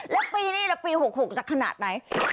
แล้วปีนี้แล้วปี๖๖จะขนาดไหน